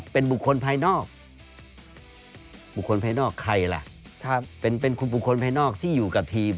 เป็นบุคคลภายนอกใครล่ะเป็นบุคคลภายนอกที่อยู่กับทีม